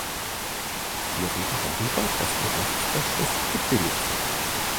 Wir reden darüber, dass die Rechtsvorschrift gebilligt wird.